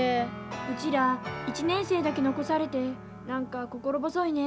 うちら１年生だけ残されて何か心細いね。